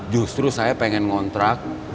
justru saya pengen ngontrak